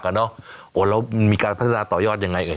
แล้วมีการพัฒนาต่อยอดยังไงเอ่